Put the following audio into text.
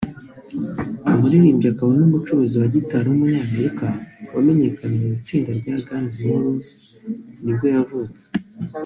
umuririmbyi akaba n’umucuranzi wa guitar w’umunyamerika wamenyekanye mu itsinda rya Guns N’ Roses nibwo yavutse